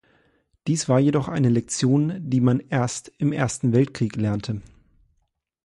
Dies war jedoch eine Lektion, die man erst im Ersten Weltkrieg lernte.